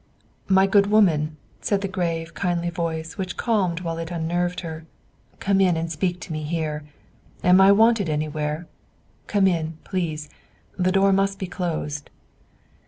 "My good woman," said the grave, kindly voice which calmed while it unnerved her, "come in and speak to me here. Am I wanted anywhere? Come in, please; the door must be closed."